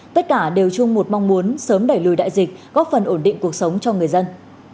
tất cả đều chung một mong muốn sớm đẩy lùi đại dịch góp phần ổn định cuộc sống cho người dân